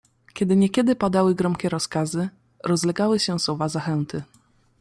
"Kiedy niekiedy padały gromkie rozkazy, rozlegały się słowa zachęty."